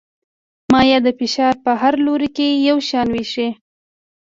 مایع د فشار په هر لوري کې یو شان وېشي.